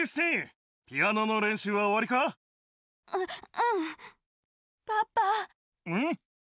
うん？